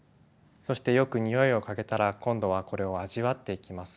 そしてよく匂いを嗅げたら今度はこれを味わっていきます。